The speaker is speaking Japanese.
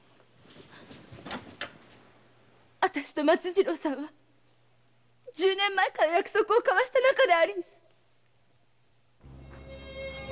私と松次郎さんは十年前から約束を交わした仲でありんす。